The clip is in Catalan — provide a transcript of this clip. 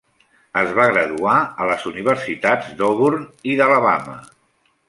Es va graduar a les universitats d'Auburn i d'Alabama.